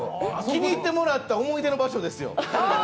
気に入ってもらった思い出の場所ですよ。